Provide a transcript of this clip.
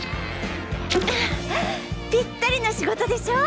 ぴったりの仕事でしょ？